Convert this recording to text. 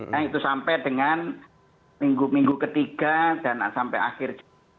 nah itu sampai dengan minggu minggu ketiga dan sampai akhir